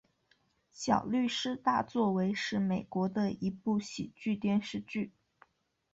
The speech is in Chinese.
小律师大作为是美国的一部喜剧电视剧。